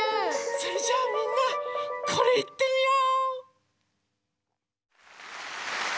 それじゃあみんなこれいってみよう！